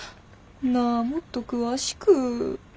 なあもっと詳しく。